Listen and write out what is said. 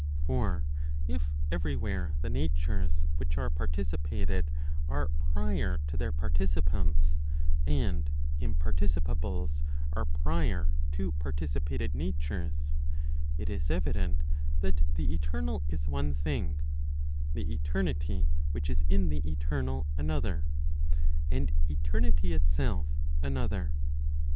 For if every where the natures which are participated are prior to their par¬ ticipants, and imparticipables are prior to participated natures, it is evident that the eternal is one thing, the eternity which is in the eternal, another, and eternity itself, another.